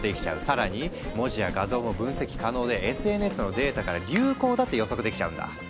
更に文字や画像も分析可能でＳＮＳのデータから流行だって予測できちゃうんだ。